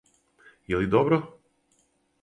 Је ли добро?